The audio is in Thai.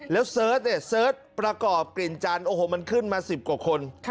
แล้วเสิร์ชเนี่ยเสิร์ชประกอบกลิ่นจันทร์โอ้โหมันขึ้นมา๑๐กว่าคน